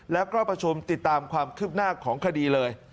และกรอบประชุมติดตามความคลึ่มหน้าของคดีเลย